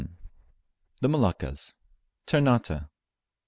THE MOLUCCAS TERNATE.